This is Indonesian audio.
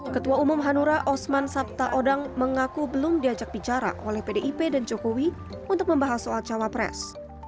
ketua umum hanura osman sabta odang mengaku belum diajak bicara oleh pdip dan jokowi untuk membahas soal cawapres